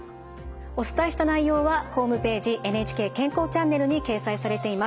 お伝えした内容はホームページ「ＮＨＫ健康チャンネル」に掲載されています。